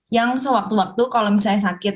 yang sewaktu waktu kalau misalnya sakit